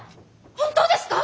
本当ですか？